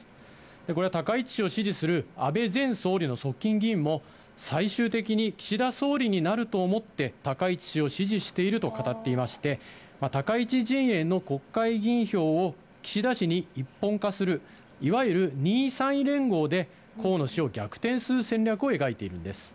これは高市氏を支持する安倍前総理の側近議員も、最終的に岸田総理になると思って高市氏を支持していると語っていまして、高市陣営の国会議員票を岸田氏に一本化する、いわゆる２位３位連合で、河野氏を逆転する戦略を描いているんです。